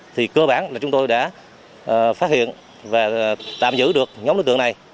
thì cơ bản là chúng tôi đã phát hiện và tạm giữ được nhóm đối tượng này